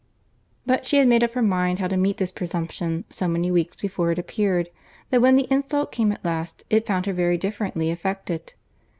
But she had made up her mind how to meet this presumption so many weeks before it appeared, that when the insult came at last, it found her very differently affected.